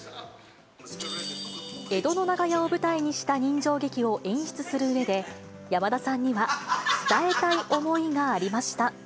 江戸の長屋を舞台にした人情劇を演出するうえで、山田さんには伝えたい思いがありました。